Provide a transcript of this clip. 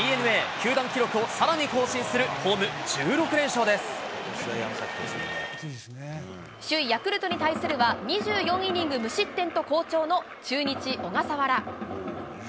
球団記録をさらに更新するホーム首位ヤクルトに対するは、２４イニング無失点と好調の中日、小笠原。